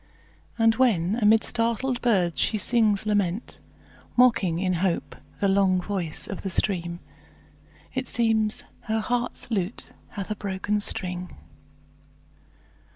And when amid startled birds she sings lament, Mocking in hope the long voice of the stream, It seems her heart's lute hath a broken string.